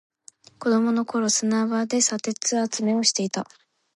子供の頃、砂場で砂鉄集めをしていた。